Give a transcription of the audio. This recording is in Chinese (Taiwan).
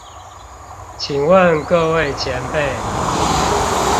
請問各位前輩